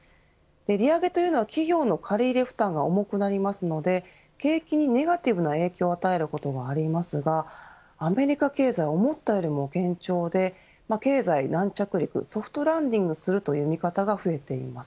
利上げというのは企業の借り入れ負担が重くなりますので景気にネガティブな影響を与えることもありますがアメリカ経済思ったよりも堅調で経済軟着陸、ソフトランディングするという見方が増えています。